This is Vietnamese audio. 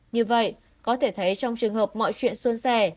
như vậy có thể thấy trong trường hợp mọi chuyện xuân xẻ